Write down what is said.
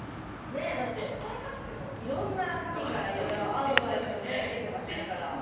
ねえだっていろんな神からいろいろアドバイスをね受けてましたから。